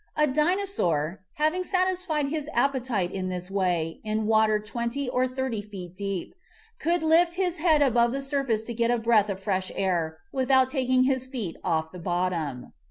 A Dinosaur, having satisfied his appetite in this way in water twenty or thirty feet deep, could lift his head above the surface to get a breath of fresh air without taking his feet off the bottom.